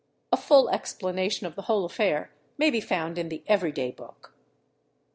A full explanation of the whole affair may be found in the Every day Book.